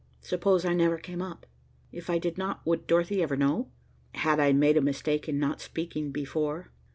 Suppose I never came up? If I did not, would Dorothy ever know? Had I made a mistake in not speaking before?